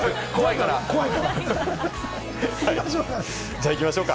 じゃあ行きましょう。